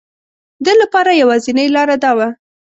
ده لپاره یوازینی لاره دا وه.